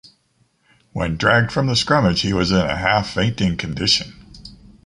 When dragged from the scrummage he was in a half-fainting condition.